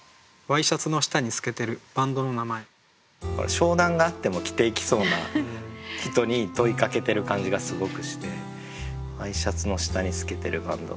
商談があっても着て行きそうな人に問いかけてる感じがすごくして「ワイシャツの下に透けてるバンドの名前」